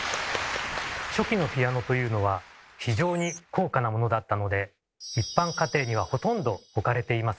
初期のピアノというのは非常に高価なものだったので一般家庭にはほとんど置かれていませんでした。